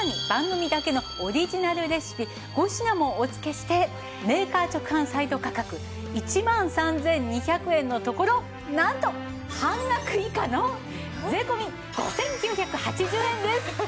番組だけのオリジナルレシピ５品もお付けしてメーカー直販サイト価格１万３２００円のところなんと半額以下の税込５９８０円です。